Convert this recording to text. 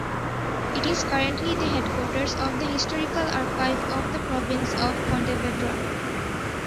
It is currently the headquarters of the Historical Archive of the Province of Pontevedra.